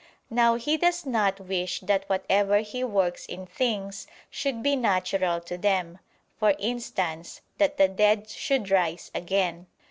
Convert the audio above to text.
Now He does not wish that whatever He works in things should be natural to them, for instance, that the dead should rise again.